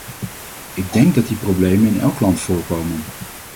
Ik denk dat die problemen in elk land voorkomen.